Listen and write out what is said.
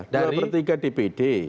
dua per tiga dpd